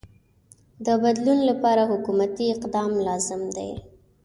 د بدلون لپاره حکومتی اقدام لازم دی.